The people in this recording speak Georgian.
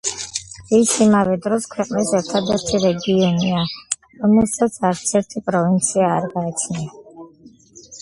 ის ამავე დროს ქვეყნის ერთადერთი რეგიონია, რომელსაც არც ერთი პროვინცია არ გააჩნია.